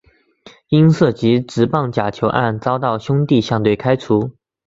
因涉及职棒假球案遭到兄弟象队开除。